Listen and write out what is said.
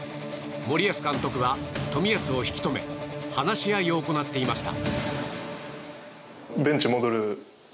森保監督は、冨安を引き留め話し合いを行っていました。